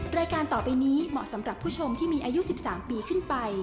รายการต่อไปนี้เหมาะสำหรับผู้ชมที่มีอายุ๑๓ปีขึ้นไป